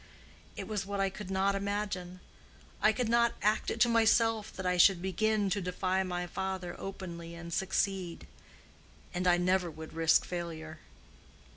It was what I could not imagine: I could not act it to myself that I should begin to defy my father openly and succeed. And I never would risk failure."